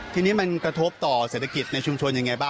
ทีนี้มันกระทบต่อเศรษฐกิจในชุมชนยังไงบ้าง